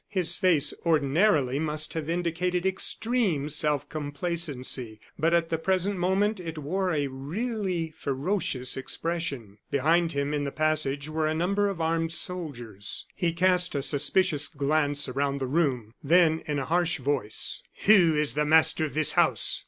His face ordinarily must have indicated extreme self complacency; but at the present moment it wore a really ferocious expression. Behind him, in the passage, were a number of armed soldiers. He cast a suspicious glance around the room, then, in a harsh voice: "Who is the master of this house?"